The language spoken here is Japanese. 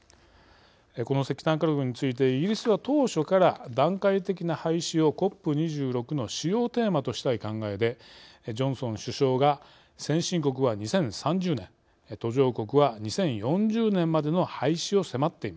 この石炭火力についてイギリスは当初から段階的な廃止をＣＯＰ２６の主要テーマとしたい考えでジョンソン首相が先進国は２０３０年途上国は２０４０年までの廃止を迫っていました。